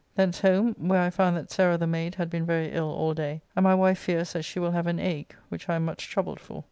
Thence home, where I found that Sarah the maid had been very ill all day, and my wife fears that she will have an ague, which I am much troubled for.